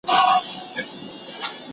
د افلاطون او مارکس نظريې څه وايي؟